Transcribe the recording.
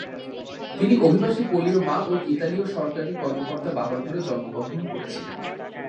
তিনি অভিবাসী পোলীয় মা ও ইতালীয় সরকারি কর্মকর্তা বাবার ঘরে জন্ম নিয়েছিলেন।